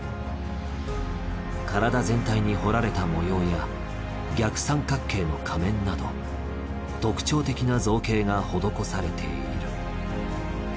体全体に彫られた模様や逆三角形の仮面など特徴的な造形が施されている。